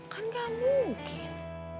kan tidak mungkin